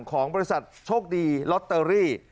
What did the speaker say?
ของบริษัทโชคดีลอตเตอรี่